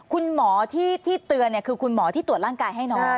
คุณหมอที่เตือนคือคุณหมอที่ตรวจร่างกายให้น้อง